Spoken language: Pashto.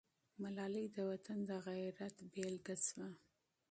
ملالۍ د وطن د غیرت نمونه سوه.